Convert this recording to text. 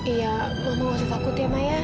iya mama gak usah takut ya maya